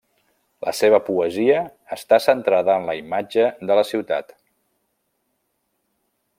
La seva poesia està centrada en la imatge de la ciutat.